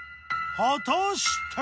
果たして。